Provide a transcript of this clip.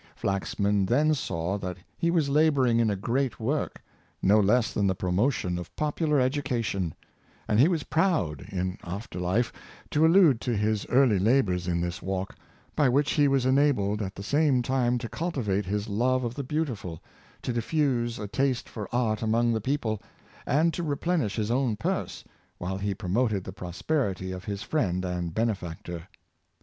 Flaxman then saw that he was laboring in a great work — no less than the promotion of popular education; and he was proud, in after life, to allude to his early labors in this walk, by which he was enabled at the same time to cultivate his love of the beautiful, to diffuse a taste for art among the people, and to re plenish his own purse, while he promoted the prosperity of his friend and benefactor.